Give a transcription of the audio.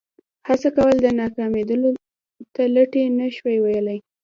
هڅه کول او ناکامېدلو ته لټي نه شو ویلای.